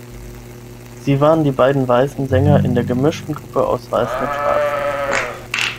Sie waren die beiden weißen Sänger in der gemischten Gruppe aus Weißen und Schwarzen.